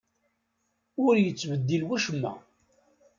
Ur yettbeddil wacemma.